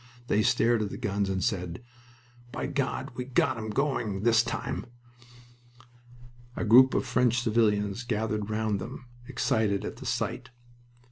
They stared at the guns and said, "By God we've got 'em going this time!" A group of French civilians gathered round them, excited at the sight.